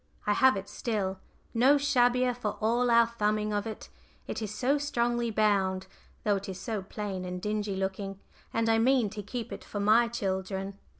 I have it still no shabbier for all our thumbing of it: it is so strongly bound, though it is so plain and dingy looking, and I mean to keep it for my children.